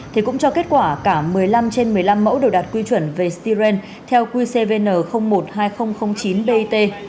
thì cũng cho kết quả cả một mươi năm trên một mươi năm mẫu đều đạt quy chuẩn về styren theo qcvn một hai nghìn chín bit